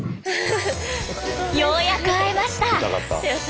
ようやく会えました！